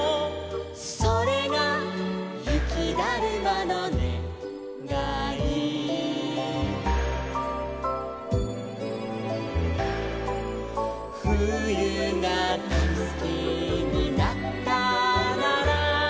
「それがゆきだるまのねがい」「ふゆがだいすきになったなら」